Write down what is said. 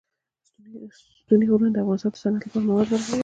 ستوني غرونه د افغانستان د صنعت لپاره مواد برابروي.